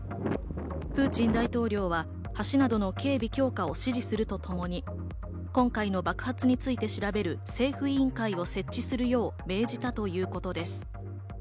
プーチン大統領は橋などの警備強化を指示するとともに今回の爆発について調べる政府委員会を設置するよう命じたということです。